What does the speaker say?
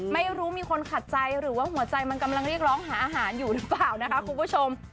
มีคนขัดใจหรือว่าหัวใจมันกำลังเรียกร้องหาอาหารอยู่หรือเปล่านะคะคุณผู้ชม